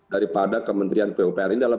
daripada kementerian pupr ini dalam